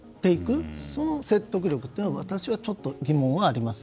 その説得力というのは私はちょっと疑問があります。